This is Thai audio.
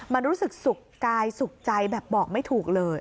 มันรู้สึกสุขกายสุขใจแบบบอกไม่ถูกเลย